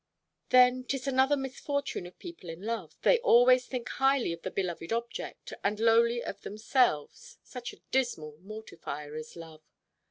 Then 'tis another misfortune of people in love; they always think highly of the beloved object, and lowly of themselves, such a dismal mortifier is love!